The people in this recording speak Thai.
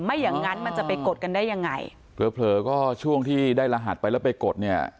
อย่างงั้นมันจะไปกดกันได้ยังไงเผลอเผลอก็ช่วงที่ได้รหัสไปแล้วไปกดเนี่ย